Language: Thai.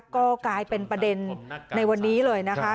ก็กลายเป็นประเด็นในวันนี้เลยนะคะ